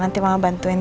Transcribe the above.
nanti mama bantuin